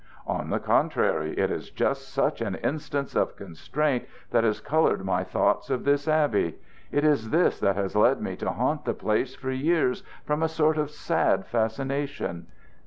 "On the contrary, it is just such an instance of constraint that has colored my thoughts of this abbey. It is this that has led me to haunt the place for years from a sort of sad fascination.